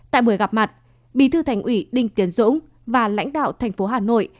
tại buổi gặp mặt bí thư thành ủy đinh tiến dũng và lãnh đạo thành phố hà nội